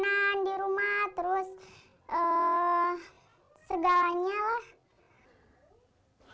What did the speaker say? makanan di rumah terus segalanya lah